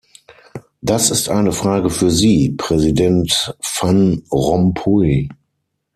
Das ist eine Frage für Sie, Präsident Van Rompuy.